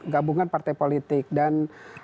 gabungan partai politik dan